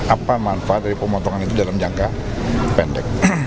apa manfaat dari pemotongan itu dalam jangka pendek